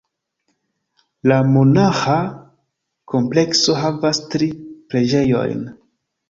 La monaĥa komplekso havas tri preĝejojn.